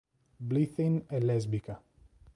Blythyn è lesbica.